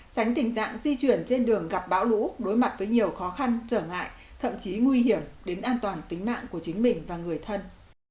tránh tình trạng di chuyển trên đường gặp bão lũ đối mặt với nhiều khó khăn trở ngại thậm chí nguy hiểm đến an toàn tính mạng của chính mình và người thân